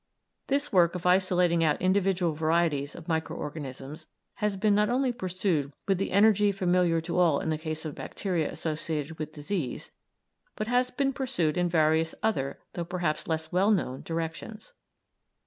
This work of isolating out individual varieties of micro organisms has been not only pursued with the energy familiar to all in the case of bacteria associated with disease, but has been pursued in various other, though perhaps less well known, directions.